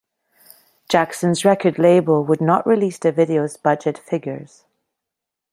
Jackson's record label would not release the video's budget figures.